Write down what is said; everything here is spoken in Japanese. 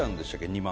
２万。